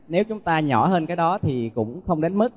nếu chúng ta nhỏ hơn cái đó thì cũng không đến mức